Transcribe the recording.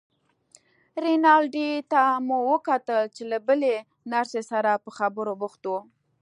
رینالډي ته مو وکتل چې له بلې نرسې سره په خبرو بوخت و.